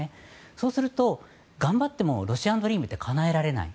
そうすると、頑張ってもロシアンドリームってかなえられない。